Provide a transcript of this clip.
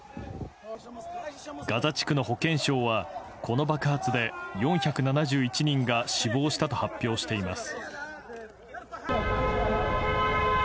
ガザ地区の保健省は、この爆発で４７１人が死亡したと発表しています。